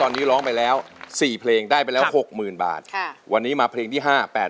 ตอนนี้ร้องไปแล้ว๔เพลงได้ไปแล้ว๖๐๐๐๐บาทวันนี้มาเพลงที่๕๘๐๐๐๐